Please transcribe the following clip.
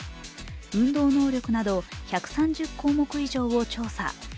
運動能力など１３０項目以上を調査。